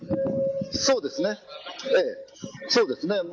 そうですね。